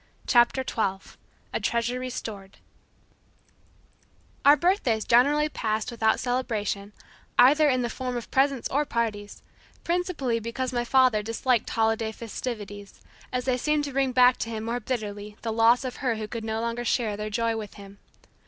CHAPTER TWELVE A TREASURE RESTORED Our birthdays generally passed without celebration, either in the form of presents or parties, principally because my father disliked holiday festivities, as they seemed to bring back to him more bitterly the loss of her who could no longer share their joy with him.